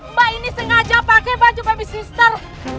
mbak ini sengaja pakai baju babysister